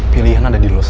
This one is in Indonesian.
pilihan ada di lu sam